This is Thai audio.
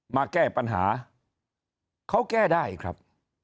มาแก้ปัญหาเขาแก้ได้ครับ